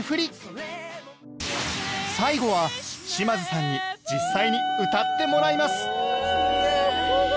最後は島津さんに実際に歌ってもらいます！